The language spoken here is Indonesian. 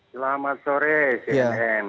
selamat sore smp